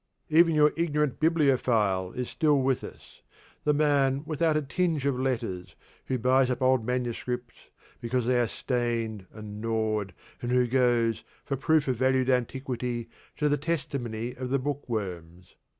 Even your ignorant Bibliophile is still with us the man without a tinge of letters, who buys up old manuscripts 'because they are stained and gnawed, and who goes, for proof of valued antiquity, to the testimony of the book worms.'